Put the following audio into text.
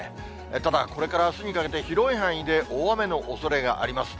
ただ、これからあすにかけて、広い範囲で大雨のおそれがあります。